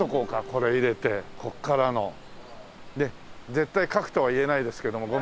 絶対描くとは言えないですけどもごめんなさい。